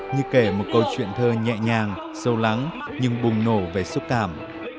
như kể một câu chuyện thơ nhẹ nhàng sâu lắng nhưng bùng nổ về xúc cảm